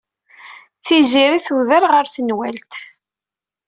Tiziri tuder ɣer tenwalt.